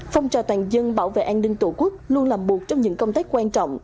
phong trào toàn dân bảo vệ an ninh tổ quốc luôn là một trong những công tác quan trọng